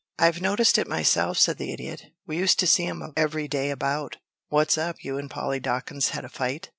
"I've noticed it myself," said the Idiot. "We used to see 'em every day about. What's up? You and Polly Dawkins had a fight?"